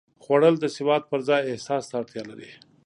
خوړل د سواد پر ځای احساس ته اړتیا لري